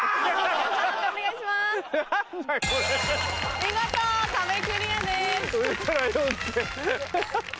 見事壁クリアです。